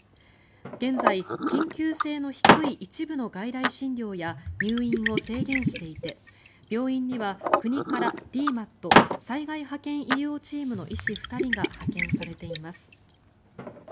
現在、緊急性の低い一部の外来診療や入院を制限していて病院には国からＤＭＡＴ・災害派遣医療チームの医師２人が派遣されています。